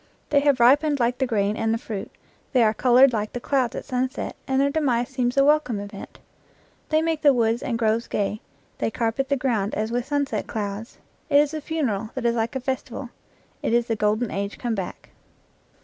They have ripened like the grain and the fruit; they are colored like the clouds at sunset; and their demise seems a welcome event. They make the woods and groves gay; they carpet the ground as with sunset clouds; it is a funeral that is like a festi val; it is the golden age come back.